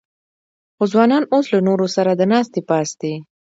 خو ځوانان اوس له نورو سره د ناستې پاستې